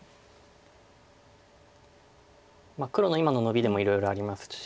黒の今のノビでもいろいろありますし。